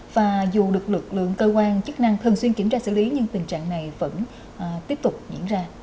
và dù được lực lượng cơ quan chức năng thường xuyên kiểm tra xử lý nhưng tình trạng này vẫn tiếp tục diễn ra